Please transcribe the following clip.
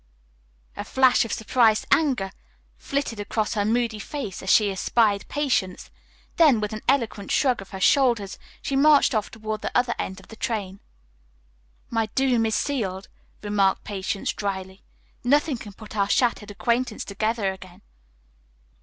A flash of surprised anger flitted across her moody face as she espied Patience, then, with an eloquent shrug of her shoulders, she marched off toward the other end of the train. "My doom is sealed," remarked Patience dryly. "Nothing can put our shattered acquaintance together again."